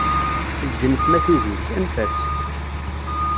Lǧennet ma tugi-k, anef-as.